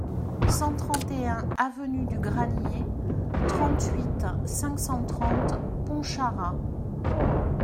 cent trente et un avenue du Granier, trente-huit, cinq cent trente, Pontcharra